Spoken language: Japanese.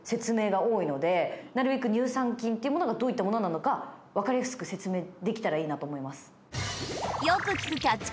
が多いのでなるべく乳酸菌っていうものがどういったものなのか分かりやすく説明できたらいいなと思います。